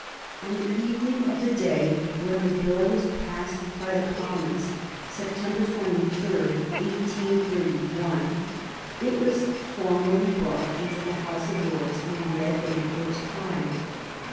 On the evening of the day when the Bill was passed by the Commons, September 23, 1831, it was formally brought into the House of Lords and read a first time.